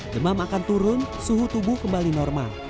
demam akan turun suhu tubuh kembali normal